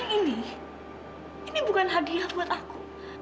ini ini bukan hadiah buat aku